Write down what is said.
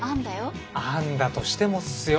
案だとしてもっすよ。